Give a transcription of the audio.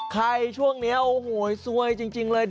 ช่วงนี้โอ้โหซวยจริงเลย